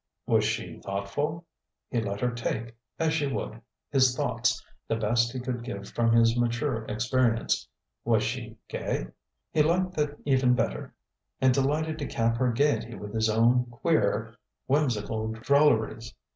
Was she thoughtful? He let her take, as she would, his thoughts, the best he could give from his mature experience. Was she gay? He liked that even better, and delighted to cap her gaiety with his own queer, whimsical drolleries.